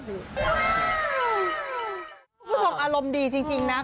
คุณผู้ชมอารมณ์ดีจริงนะ